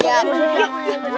oh ya sudah